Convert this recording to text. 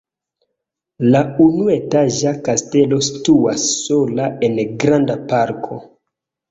La unuetaĝa kastelo situas sola en granda parko.